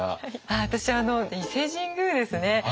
私伊勢神宮ですね。